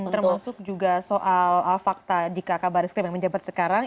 termasuk juga soal fakta jika kbrs krim yang menjemput sekarang